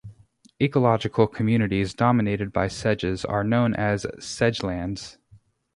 Ecological communities dominated by sedges are known as sedgelands.